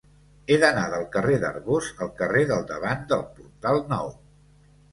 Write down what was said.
He d'anar del carrer d'Arbós al carrer del Davant del Portal Nou.